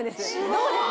どうです？